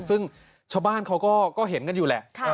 ซึ่งชาวบ้านเขาก็เห็นกันอยู่แหละ